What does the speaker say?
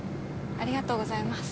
ありがとうございます。